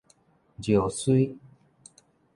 尿 𦉎